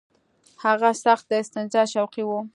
هغه سخت د استنجا شوقي وو.